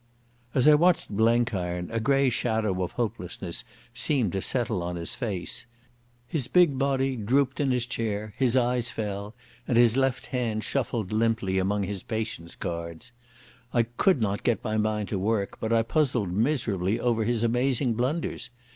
As I watched Blenkiron a grey shadow of hopelessness seemed to settle on his face. His big body drooped in his chair, his eyes fell, and his left hand shuffled limply among his Patience cards. I could not get my mind to work, but I puzzled miserably over his amazing blunders.